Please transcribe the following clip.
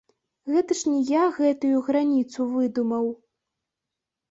Гэта ж не я гэтую граніцу выдумаў.